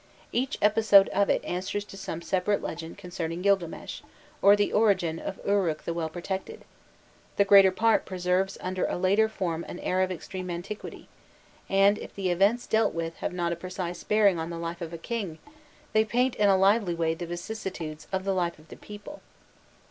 Each episode of it answers to some separate legend concerning Gilgames, or the origin of Uruk the well protected: the greater part preserves under a later form an air of extreme antiquity, and, if the events dealt with have not a precise bearing on the life of a king, they paint in a lively way the vicissitudes of the life of the people.